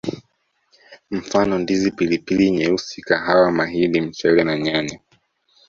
Mfano Ndizi Pilipili nyeusi kahawa mahindi mchele na nyanya